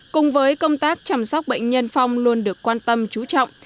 cùng với công tác chăm sóc bệnh nhân phong luôn được quan tâm chú trọng